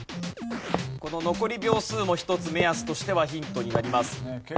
この残り秒数も一つ目安としてはヒントになります。